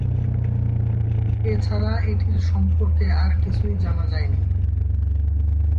এছাড়া এটির সম্পর্কে আর কিছুই জানা যায়নি।